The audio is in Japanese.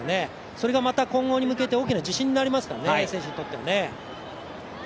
それが、また今後に向けて大きな自信になりますから選手にとっては。